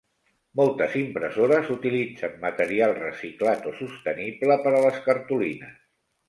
Moltes impressores utilitzen material reciclat o sostenible per a les cartolines.